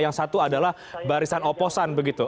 yang satu adalah barisan oposan begitu